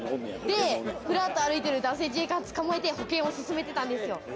フラっと歩いてる男性自衛官つかまえて保険を勧めてたんですよ。